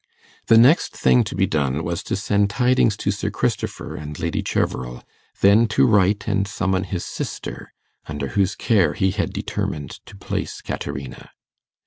The next thing to be done was to send tidings to Sir Christopher and Lady Cheverel; then to write and summon his sister, under whose care he had determined to place Caterina.